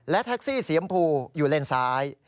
และแท็กซี่สียมพูอยู่เลนซ้าย